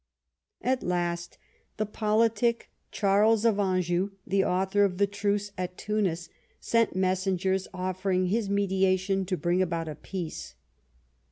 At last the politic Charles of Anjou, the author of the truce at Tunis, sent messengers offering his mediation to bring about a peace.